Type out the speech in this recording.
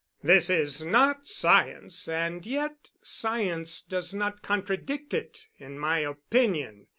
"This is not science; and yet science does not contradict it, in my opinion.